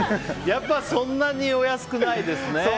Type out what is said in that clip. やっぱりそんなにお安くないですね。